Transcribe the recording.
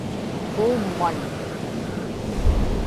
uumman